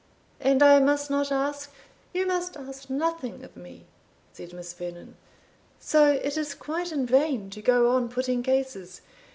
And I must not ask" "You must ask nothing of me," said Miss Vernon; "so it is quite in vain to go on putting cases.